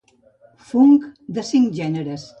Funk, de cinc gèneres.